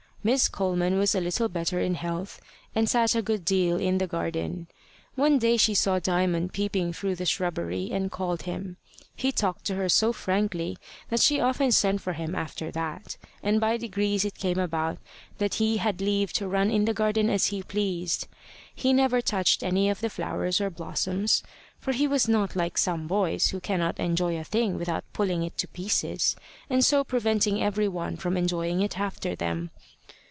Miss Coleman was a little better in health, and sat a good deal in the garden. One day she saw Diamond peeping through the shrubbery, and called him. He talked to her so frankly that she often sent for him after that, and by degrees it came about that he had leave to run in the garden as he pleased. He never touched any of the flowers or blossoms, for he was not like some boys who cannot enjoy a thing without pulling it to pieces, and so preventing every one from enjoying it after them.